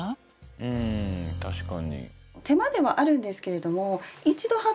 うん確かに。